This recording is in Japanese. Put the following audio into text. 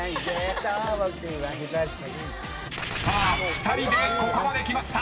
［さあ２人でここまで来ました。